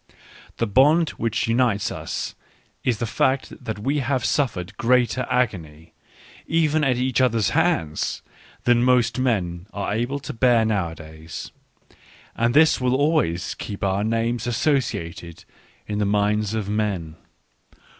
The bond which unites us is the fact that we have suffered greater agony, even at each other's hands, than most men are able to bear nowadays, and this will always keep our names associated in the minds of men.